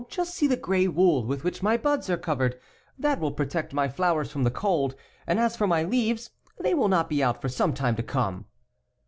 Just see the gray wool with which my buds are covered. That .will protect my flowers from the cold, and as for my leaves, they will not be out for some time to come."